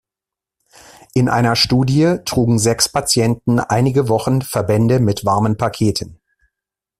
In einer Studie trugen sechs Patienten einige Wochen Verbände mit warmen Paketen.